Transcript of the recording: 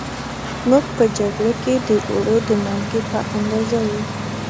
موږ په جگړه کې د اوړو د مالگې په اندازه وو